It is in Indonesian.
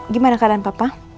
gimana keadaan papa